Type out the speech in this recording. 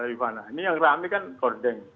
rifana ini yang rame kan korden